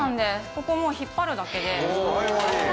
ここをもう引っ張るだけで。